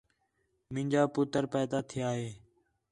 مینجا پُتر پیدا تِھیا ہِے